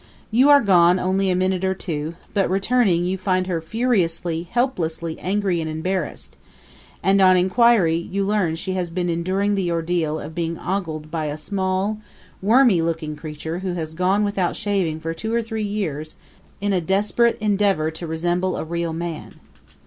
You are gone only a minute or two, but returning you find her furiously, helplessly angry and embarrassed; and on inquiry you learn she has been enduring the ordeal of being ogled by a small, wormy looking creature who has gone without shaving for two or three years in a desperate endeavor to resemble a real man.